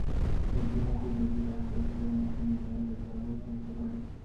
একদিন এটি রোগীর রক্তে ওষুধের মাত্রা নির্ণয়ের কাজে ব্যবহৃত হতে পারে।